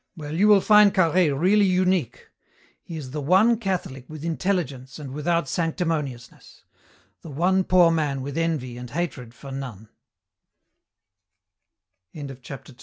Well, you will find Carhaix really unique. He is the one Catholic with intelligence and without sanctimoniousness; the one poor man with envy and hatred for